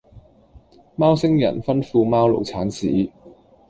貓星人吩咐貓奴剷屎